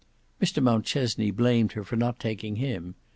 Mr Mountchesney blamed her for not taking him.